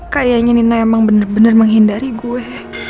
kayaknya nina emang bener bener menghindari gue